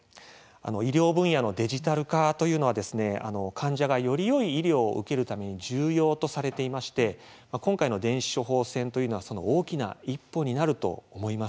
医療分野のデジタル化というのは患者がよりよい医療を受けるために重要とされていまして今回の電子処方箋というのはその大きな一歩になると思います。